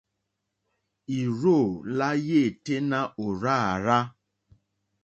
Ì rzô lá yêténá ò rzá àrzá.